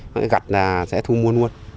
nó gặt là sẽ thu mua luôn